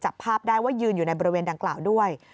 จับภาพได้ว่ายืนอยู่ในบริเวณดังกล่าวด้วย